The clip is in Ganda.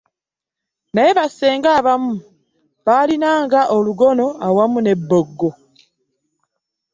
Naye bassenga abamu baalinanga olugono awamu n'ebbogo.